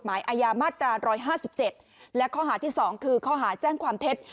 หมายอาญามาตรา๑๕๗และข้อหาที่๒คือข้อหาแจ้งความเท็จ